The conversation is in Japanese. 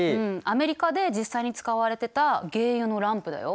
アメリカで実際に使われてた鯨油のランプだよ。